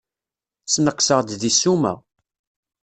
Sneqseɣ-d deg ssuma.